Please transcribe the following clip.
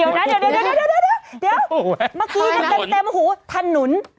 เดี๋ยวเดี๋ยวเมื่อกี้กำเต็มหูถนุน